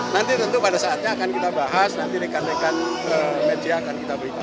nanti tentu pada saatnya akan kita bahas nanti rekan rekan media akan kita berikan